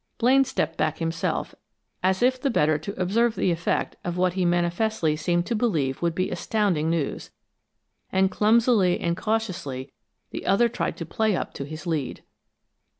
Blaine stepped back himself, as if the better to observe the effect of what he manifestly seemed to believe would be astounding news, and clumsily and cautiously the other tried to play up to his lead.